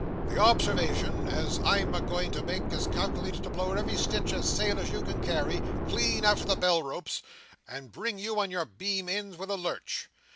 The observation as I'm a going to make is calc'lated to blow every stitch of sail as you can carry, clean out of the bolt ropes, and bring you on your beam ends with a lurch.